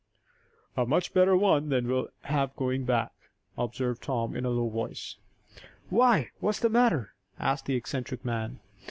"A much better one than we'll have going back," observed Tom, in a low voice. "Why; what's the matter?" asked the eccentric man.